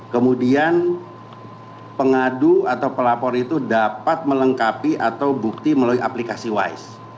kemudian pengadu atau pelapor itu dapat melengkapi atau bukti melalui aplikasi wise